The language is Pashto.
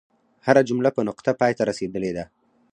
هره جمله په نقطه پای ته رسیدلې ده.